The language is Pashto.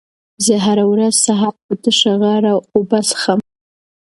زه هره ورځ سهار په تشه غاړه اوبه څښم.